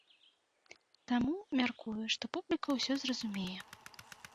Таму, мяркую, што публіка ўсё зразумее.